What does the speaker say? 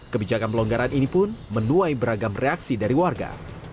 kebijakan pelonggaran ini pun menuai beragam reaksi dari warga